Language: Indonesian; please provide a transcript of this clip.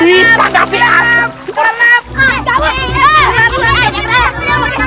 ya jangan sih taknit kayanya